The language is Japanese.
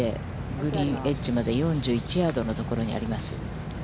グリーンエッジまで４１ヤードのところにあります。